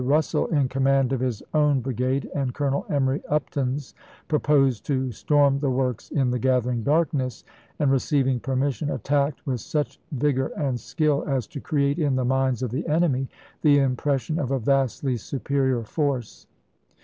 Russell, in command of his own bri gade and Colonel Emory Upton's, proposed to storm the works in the gathering darkness, and receiving permission, attacked with such vigor and skill as to create in the minds of the enemy the im pression of a vastly superior force.